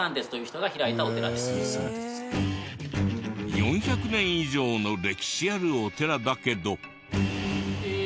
４００年以上の歴史あるお寺だけど。